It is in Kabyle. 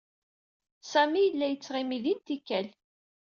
Sami yella yettɣimi din tikkal.